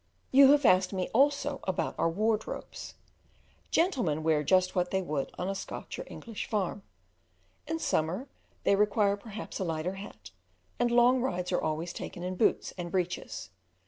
You have asked me also about our wardrobes. Gentlemen wear just what they would on a Scotch or English farm; in summer they require perhaps a lighter hat, and long rides are always taken in boots and breeches.